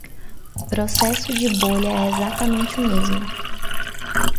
O processo de bolha é exatamente o mesmo.